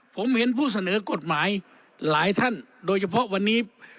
ผมเห็นผู้เสนอกฎหมายหลายท่านโดยเฉพาะวันนี้